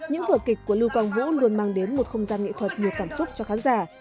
những vở kịch của lưu quang vũ luôn mang đến một không gian nghệ thuật nhiều cảm xúc cho khán giả